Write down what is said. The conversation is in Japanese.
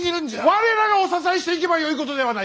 我らがお支えしていけばよいことではないか！